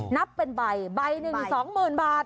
นับเป็นใบใบหนึ่งสองหมื่นบาท